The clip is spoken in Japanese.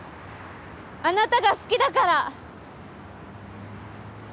あなたが好きだから。